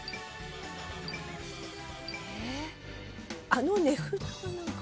あの値札が何か。